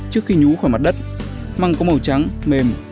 trước khi nhú khỏi mặt đất măng có màu trắng mềm